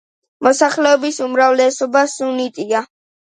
მოსახლეობის უმრავლესობა სუნიტია.